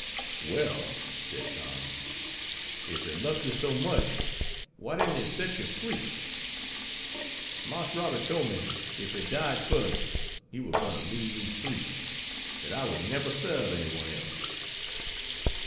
"Well," said Tom, "ef he lob'd you so much, why didn't he set you free?" "Marse Robert tole me, ef he died fust he war gwine ter leave me free dat I should neber sarve any one else."